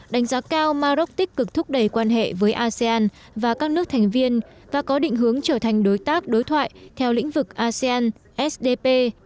đánh giá cao maroc tích cực thúc đẩy quan hệ với asean và các nước thành viên và có định hướng trở thành đối tác đối thoại theo lĩnh vực asean sdp